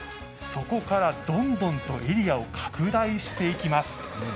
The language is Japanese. そこからどんどんとエリアを拡大していきます。